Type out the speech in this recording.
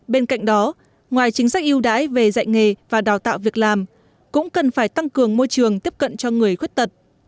bên cạnh đó ngoài chính sách yêu đáy về dạy nghề và đào tạo việc làm cũng cần phải tăng cường môi trường tiếp cận cho người khuyết tật